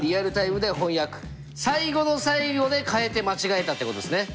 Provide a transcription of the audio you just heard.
最後の最後で変えて間違えたってことですね。